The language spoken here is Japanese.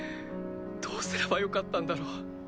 どうすればよかったんだろう。